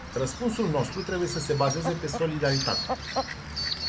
Răspunsul nostru trebuie să se bazeze pe solidaritate.